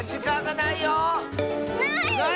ない？